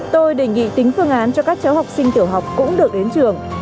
tôi đề nghị tính phương án cho các cháu học sinh tiểu học cũng được đến trường